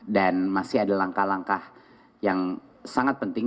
dan masih ada langkah langkah yang sangat penting